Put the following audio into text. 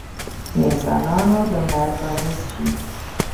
د انسانانو د مرګ باعث شي